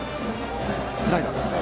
スライダーでしたね。